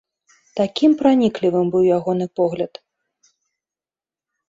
Такім праніклівым быў ягоны пагляд.